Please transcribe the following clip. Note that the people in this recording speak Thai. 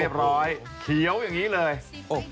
คุณละครคุณละคร